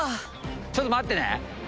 ちょっと待ってね。